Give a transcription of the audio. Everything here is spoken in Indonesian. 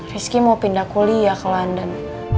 rizky mau pindah kuliah ke london